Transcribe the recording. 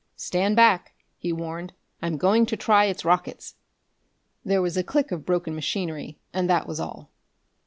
"Stand back!" he warned. "I'm going to try its rockets!" There was a click of broken machinery, and that was all.